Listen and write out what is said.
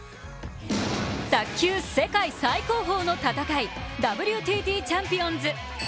卓球世界最高峰の戦いＷＴＴチャンピオンズ。